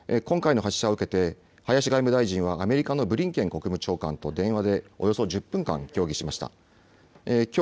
今回の発射を受けて林外務大臣はアメリカのブリンケン国務長官と電話でおよそ１０分間協議しました。